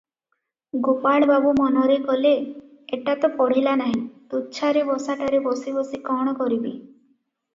ଗୋପାଳବାବୁ ମନରେ କଲେ, ଏଟା ତ ପଢ଼ିଲା ନାହିଁ, ତୁଚ୍ଛାରେ ବସାଟାରେ ବସି ବସି କଣ କରିବି?